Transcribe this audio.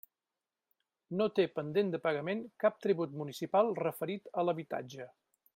No té pendent de pagament cap tribut municipal referit a l'habitatge.